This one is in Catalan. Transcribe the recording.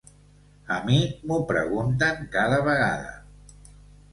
A mi m’ho pregunten cada vegada.